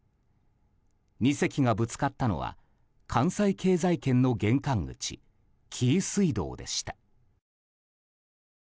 ２隻がぶつかったのは関西経済圏の玄関口紀伊水道でした。